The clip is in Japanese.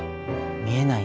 見えない